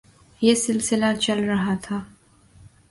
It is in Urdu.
یہ سلسلہ چل رہا تھا۔